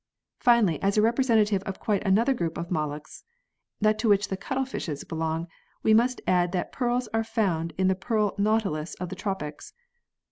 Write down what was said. Finally, as a representative of quite another group of molluscs, that to which the cuttlefishes belong, we must add that pearls are found in the pearl Nautilus of the tropics.